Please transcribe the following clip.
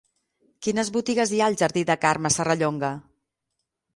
Quines botigues hi ha al jardí de Carme Serrallonga?